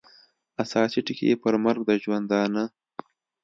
اساسي ټکي یې پر مرګ د ژوندانه